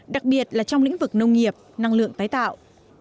đặc biệt là trong lĩnh vực nông nghiệp năng lượng tái tạo